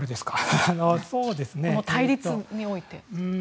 この対立において。